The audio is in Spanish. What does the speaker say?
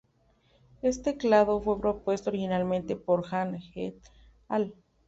Este clado fue propuesto originalmente por Han "et al.